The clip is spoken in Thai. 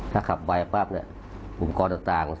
ถ้าขับไวร์ปรับเนี้ยอุปกรณ์จะต่าง